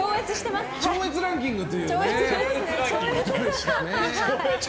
超越ランキングという。